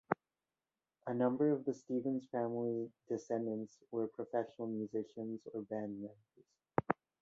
A number of the Stephens family descendants were professional musicians or band members.